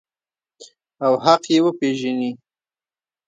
او حق یې وپیژني.